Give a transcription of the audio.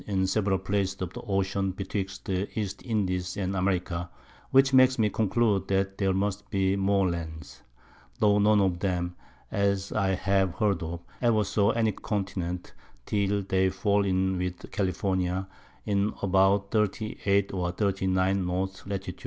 in several Places of the Ocean betwixt the East Indies and America, which makes me conclude that there must be more Land, tho' none of 'em, as I have heard of, ever saw any Continent till they fall in with California, in about 38 or 39°. N. Lat.